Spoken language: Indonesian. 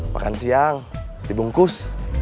makan siang dibungkus